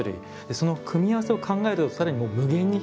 その組み合わせを考えると更に無限に広がる。